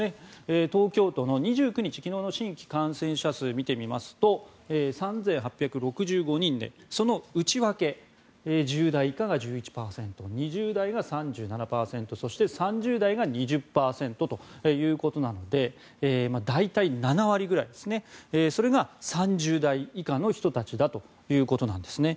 東京都の２９日昨日の新規感染者数を見てみますと、３８６５人でその内訳、１０代以下が１１％２０代が３７％そして３０代が２０％ということなので大体７割ぐらいそれが３０代以下の人たちだということなんですね。